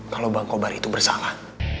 kalau bang kobar itu bersalah